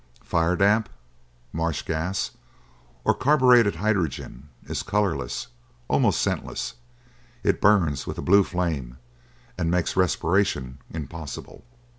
Fire damp, marsh gas, or carburetted hydrogen, is colorless, almost scentless; it burns with a blue flame, and makes respiration impossible.